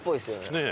ねえ。